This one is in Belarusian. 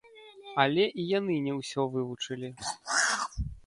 Але і яны не ўсё вывучылі.